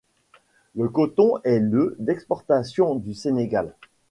Le coton est le d’exportation du Sénégal.